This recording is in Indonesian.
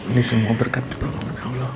ini semua berkat pertolongan allah